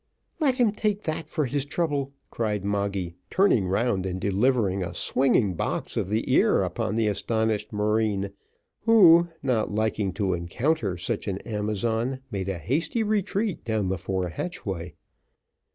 "Let him take that for his trouble," cried Moggy, turning round, and delivering a swinging box of the ear upon the astonished marine, who not liking to encounter such an Amazon, made a hasty retreat down the fore hatchway.